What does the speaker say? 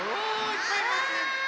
いっぱいいますね。